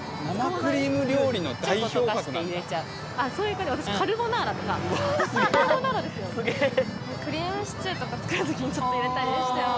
クリームシチューとか作る時にちょっと入れたりしてました。